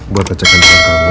buat kecekan sama kamu